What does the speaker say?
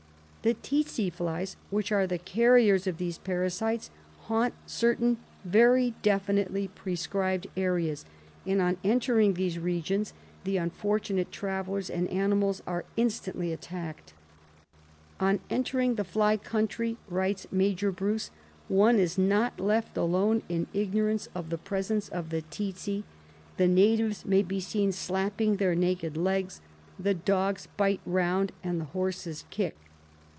The tsetse flies which are the carriers of these parasites haunt certain very definitely prescribed areas, and, on entering these regions, the unfortunate travellers and animals are instantly attacked. "On entering the fly country," writes Major Bruce, "one is not left long in ignor ance of the presence of the tsetse. The natives may be seen slapping their naked legs, the dogs bite round, and the horses kick."